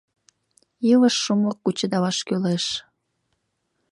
Илыш шумлык кучедалаш кӱлеш...